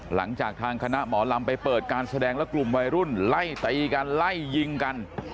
หลังจากทางคณะหมอลำไปเปิดการแสดงและกลุ่มวัยรุ่นไล่ตีกันไล่ยิงกัน